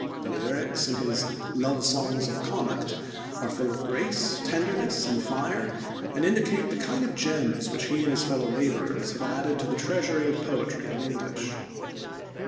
The lyrics in his Love Songs of Connacht are full of grace, tenderness, and fire, and indicate the kind of gems which he and his fellow laborers have added to the treasury of poetry in English.